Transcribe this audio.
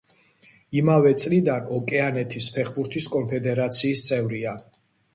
იმავე წლიდან ოკეანეთის ფეხბურთის კონფედერაციის წევრია.